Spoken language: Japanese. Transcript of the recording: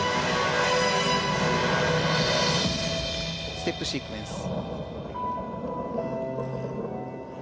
ステップシークエンス。